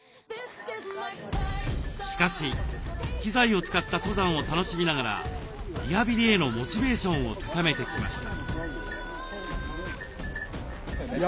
しかし機材を使った登山を楽しみながらリハビリへのモチベーションを高めてきました。